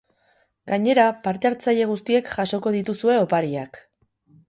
Gainera, parte-hartzaile guztiek jasoko dituzue opariak.